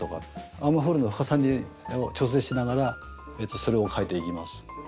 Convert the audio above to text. アームホールの深さを調整しながらそれをかえていきます。